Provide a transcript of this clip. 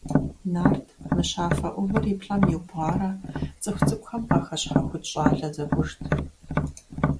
Нарт мыщафэ Ӏувыр и плӀэм иубгъуарэ цӀыху цӀыкӀухэм къахэщхьэхукӀ щӀалэ зэкӀужт.